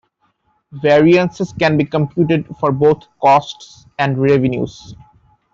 Variances can be computed for both costs and revenues.